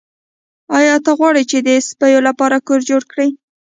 ایا ته غواړې چې د سپیو لپاره کور جوړ کړې